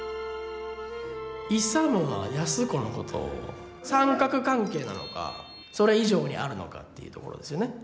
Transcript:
勇は安子のことを三角関係なのかそれ以上にあるのかっていうところですよね。